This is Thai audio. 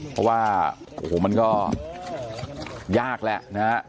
เพราะว่าโอ้โหมันก็ยากแหละนะฮะ